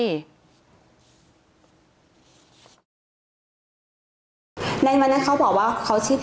วันให้เขาไปข้างล่างการอยากมากอนมาทำรายละรัก